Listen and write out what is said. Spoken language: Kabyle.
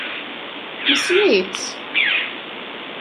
Nessen-itt.